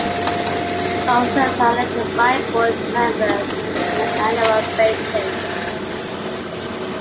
Officers are elected by board members on an annual basis.